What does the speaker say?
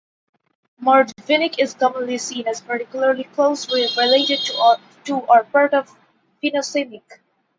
Mordvinic is commonly seen as particularly closely related to or part of Finno-Samic.